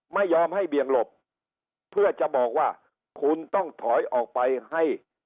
ไม่ยอมให้เบี่ยงหลบเพื่อจะบอกว่าคุณต้องถอยออกไปให้